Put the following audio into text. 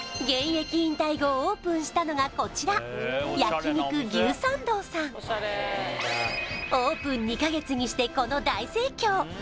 現役引退後オープンしたのがこちら焼肉牛参道さんオープン２か月にしてこの大盛況！